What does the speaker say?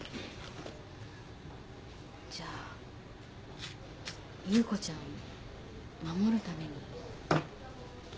じゃあ優子ちゃん守るために。